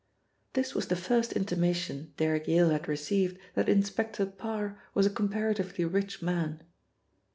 This was the first intimation Derrick Yale had received that Inspector Parr was a comparatively rich man.